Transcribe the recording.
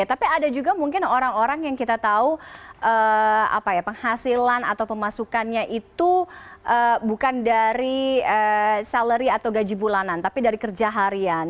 tapi ada juga mungkin orang orang yang kita tahu penghasilan atau pemasukannya itu bukan dari salary atau gaji bulanan tapi dari kerja harian